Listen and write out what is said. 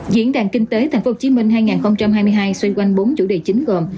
diễn đàn kinh tế tp hcm hai nghìn hai mươi hai xoay quanh bốn chủ đề chính gồm